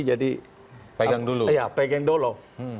jadi pegang dulu